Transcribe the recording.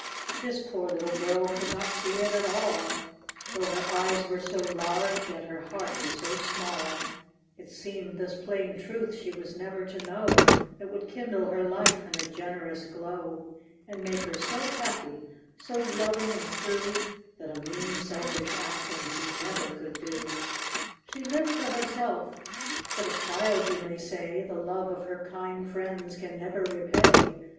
This poor little girl could not see it at all; Though her eyes were so large, yet her heart was so small, It seemed this plain truth she was never to know, That would kindle her life in a generous glow, And make her so happy, so loving, and true, That a mean, selfish action she never could do. She lived for herself. But a child, you may say, The love of her kind friends can never repay.